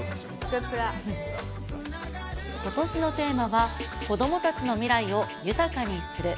ことしのテーマは、子どもたちの未来を豊かにする。